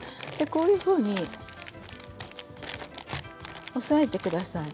こういうふうに押さえてください。